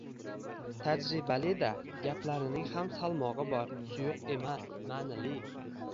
Tajribali-da, gaplarining ham salmog‘i bor, suyuq emas, ma’nili